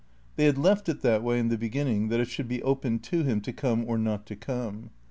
They had left it that way in the beginning, that it should be open to him to come or not to come.